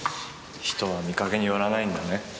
人は見かけによらないんだね。